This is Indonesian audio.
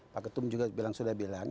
pak ketum juga bilang sudah bilang